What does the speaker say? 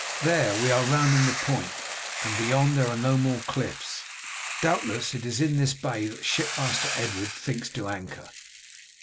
There we are rounding the point, and beyond there are no more cliffs; doubtless it is in this bay that the Shipmaster Edred thinks to anchor."